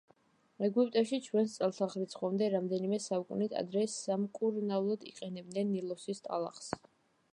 ეგვიპტეში ჩვენს წელთაღრიცხვამდე რამდენიმე საუკუნით ადრე სამკურნალოდ იყენებდნენ ნილოსის ტალახს.